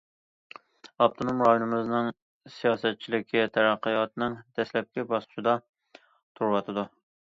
ئاپتونوم رايونىمىزنىڭ ساياھەتچىلىكى تەرەققىياتنىڭ دەسلەپكى باسقۇچىدا تۇرۇۋاتىدۇ.